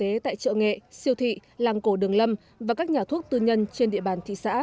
đoàn kiểm tra thực tế tại chợ nghệ siêu thị làng cổ đường lâm và các nhà thuốc tư nhân trên địa bàn thị xã